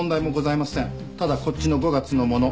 ただこっちの５月のもの